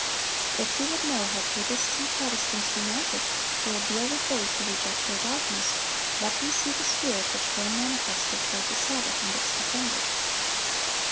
If he would know how papists and Protestants united will deal with those who reject their dogmas, let him see the spirit which Rome manifested toward the Sabbath and its defenders.